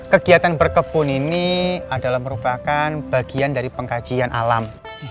kegiatan berkepun ini adalah merupakan bagian dari pengajian alam